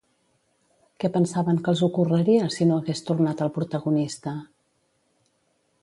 Què pensaven que els ocorreria si no hagués tornat el protagonista?